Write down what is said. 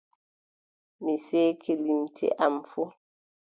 Mi seeki limce am fuu.